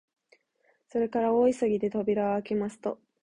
それから大急ぎで扉をあけますと、